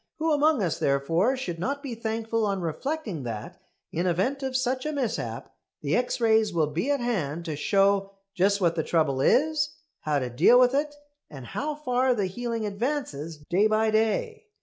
Who among us therefore should not be thankful on reflecting that, in event of such a mishap, the X rays will be at hand to show just what the trouble is, how to deal with it, and how far the healing advances day by day?